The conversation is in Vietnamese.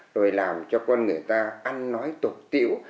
rồi làm cho con người ta ăn nói tục tiễu